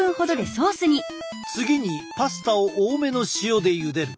次にパスタを多めの塩でゆでる。